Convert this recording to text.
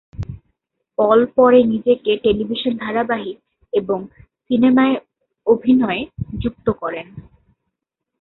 পল পরে নিজেকে টেলিভিশন ধারাবাহিক এবং সিনেমায় অভিনয়ে যুক্ত করেন।